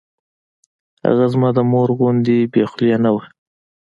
هغه زما د مور غوندې بې خولې نه وه.